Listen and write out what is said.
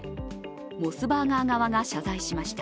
モスバーガー側が謝罪しました。